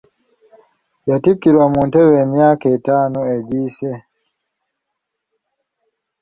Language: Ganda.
Yattikirwa mu ntebe emyaka etaano egiyise.